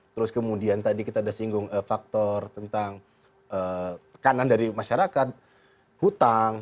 terus kemudian tadi kita sudah singgung faktor tentang tekanan dari masyarakat hutang